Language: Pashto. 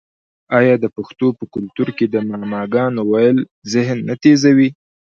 آیا د پښتنو په کلتور کې د معما ګانو ویل ذهن نه تیزوي؟